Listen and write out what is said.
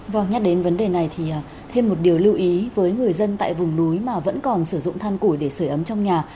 vâng nhắc đến vấn đề này thì thêm một điều lưu ý với người dân tại vùng núi mà vẫn còn sử dụng than củi để sửa ấm trong nhà